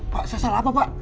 pak saya salah apa pak